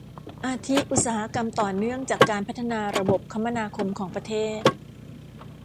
อาทิอุตสาหกรรมต่อเนื่องจากการพัฒนาระบบคมนาคมของประเทศ